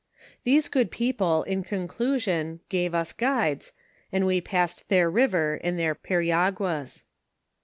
These good people, in conclusion, gave us guides, and we passed their river in their periaguas.